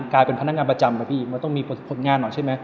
กลายเป็นพนักงานประจำอะพี่มันต้องมีผลงานหน่อยใช่ไหม